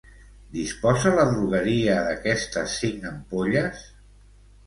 Disposa la drogueria d'aquestes cinc ampolles?